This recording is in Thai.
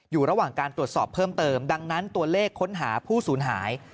อยู่ระหว่างการตรวจสอบเพิ่มเติมดังนั้นตัวเลขค้นหาผู้สูญหาย